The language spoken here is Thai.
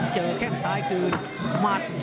เจอแข่งสายคืนหมัด